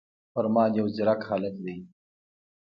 فرمان يو ځيرک هلک دی